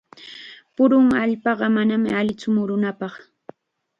Purun allpaqa manam allitsu murunapaq.